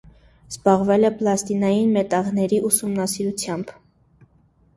Զբաղվել է պլատինային մետաղների ուսումնասիրությամբ։